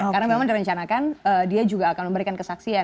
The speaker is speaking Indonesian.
karena memang direncanakan dia juga akan memberikan kesaksian